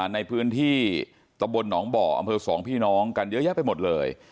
ในพื้นที่ตะบลหนองบ่ออำเภอสองพี่น้องกันเยอะแยะไปหมดเลย